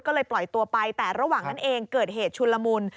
ก็เลยปล่อยตัวไปแต่ระหว่างนั้นเองเกิดเหตุชุนละมุน